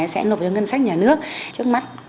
sẽ nộp vào ngân sách nhà nước trước mắt